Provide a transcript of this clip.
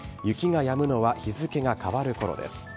雪がやむのは日付が変わるころです。